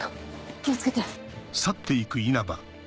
気を付けて。